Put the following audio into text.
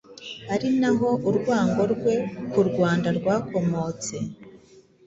ari naho urwango rwe ku Rwanda rwakomotse